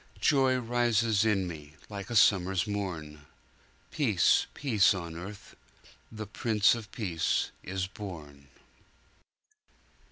Joy rises in me, like a summer's morn:Peace, peace on earth, the Prince of Peace is born."